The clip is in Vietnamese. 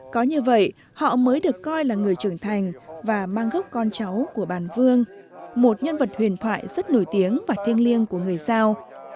có như vậy họ mới được coi là người trưởng thành và mang gốc con cháu của bàn vương một nhân vật huyền thoại rất nổi tiếng và thiêng liêng của người giao